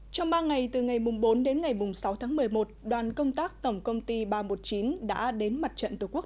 trong ba ngày từ ngày bốn đến ngày sáu tháng một mươi một đoàn công tác tổng công ty ba trăm một mươi chín đã đến mặt trận tổ quốc